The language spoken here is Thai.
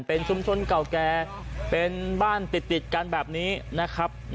เป็นชุมชนเก่าแก่เป็นบ้านติดกันแบบนี้นะครับ